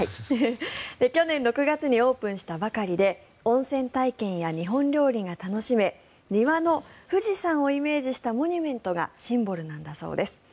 去年６月にオープンしたばかりで温泉体験や日本料理が楽しめ庭の、富士山をイメージしたモニュメントがシンボルなんだそうです。